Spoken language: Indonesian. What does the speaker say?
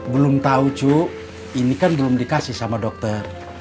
belum tau cu ini kan belum dikasih sama dokter